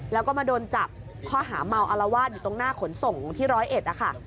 แล้วก็มาโดนจับข้อหาเมาอารวาสอยู่ตรงหน้าขนส่งที่ร้อยเอ็ดนะคะ